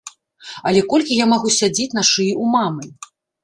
Але колькі я магу сядзець на шыі у мамы?